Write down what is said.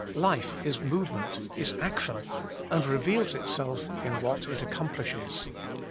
Life is movement, is action, and reveals itself in what it accomplishes.